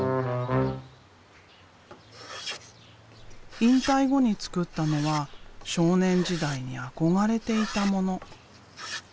引退後に作ったのは少年時代に憧れていたもの。